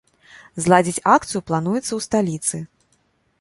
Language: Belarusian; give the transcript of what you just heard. Зладзіць акцыю плануецца ў сталіцы.